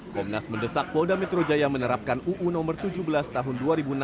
komnas mendesak polda metro jaya menerapkan uu no tujuh belas tahun dua ribu enam belas